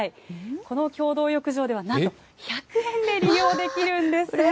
この共同浴場では、なんと１００円で利用できるんです。